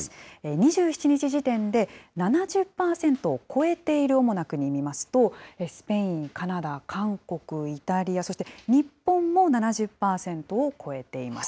２７日時点で、７０％を超えている主な国を見ますと、スペイン、カナダ、韓国、イタリア、そして日本も７０％を超えています。